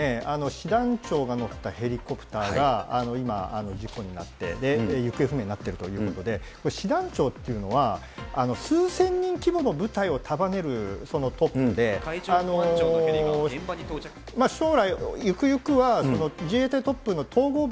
師団長が乗ったヘリコプターが、今、事故になって、行方不明になってるということで、師団長っていうのは、数千人規模の部隊を束ねるトップで、将来、ゆくゆくは自衛隊トップの統合